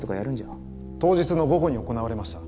当日の午後に行われました。